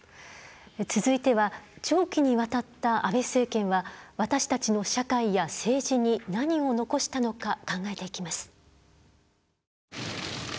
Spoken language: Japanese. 続いては長期にわたった安倍政権は私たちの社会や政治に何を残したのか考えていきます。